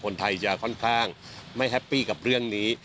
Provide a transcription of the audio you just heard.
คนไทยจะค่อนข้างไม่แฮปปี้กับเรื่องนี้